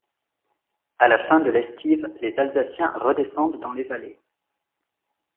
À la fin de l’estive, les Alsaciens redescendent dans les vallées.